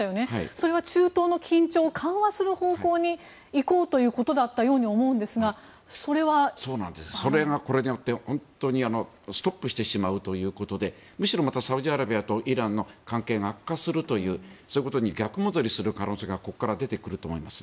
それは中東の緊張を緩和する方向に行こうということだったように思うんですがそれは。それがこれによって本当にストップしてしまうということでむしろまたサウジアラビアとイランの関係が悪化するというそういうことに逆戻りする可能性がここから出てくると思います。